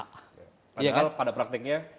padahal pada praktiknya